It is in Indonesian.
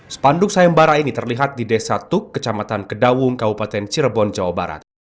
sepanduk sayem bara ini terlihat di desa tuk kecamatan kedawung kabupaten cirebon jawa barat